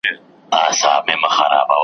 آفتونه یې له خپله لاسه زېږي .